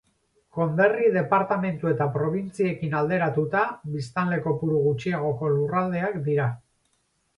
Konderri, departamendu edo probintziekin alderatuta biztanle kopuru gutxiagoko lurraldeak dira.